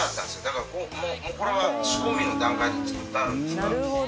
だから、これは仕込みの段階で作ってあるんです。